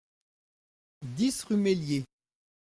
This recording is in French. dix rue Meillier